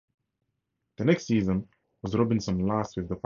The next season was Robinson's last with the Falcons.